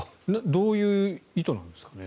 どういう意図なんですかね。